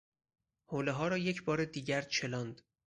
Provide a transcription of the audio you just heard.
حولهها را یک بار دیگر چلاند.